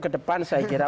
ke depan saya kira